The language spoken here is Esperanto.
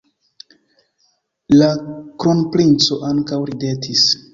La kronprinco ankaŭ ridetis.